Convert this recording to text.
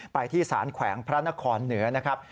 ไปที่สารแขวงพระนครเหนือนะครับ